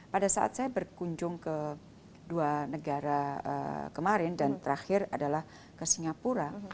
pada saat saya berkunjung ke dua negara kemarin dan terakhir adalah ke singapura